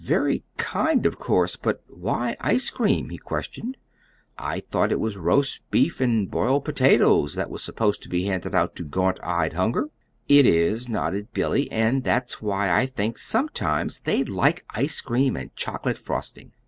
"Very kind, of course; but why ice cream?" he questioned. "I thought it was roast beef and boiled potatoes that was supposed to be handed out to gaunt eyed hunger." "It is," nodded Billy, "and that's why I think sometimes they'd like ice cream and chocolate frosting.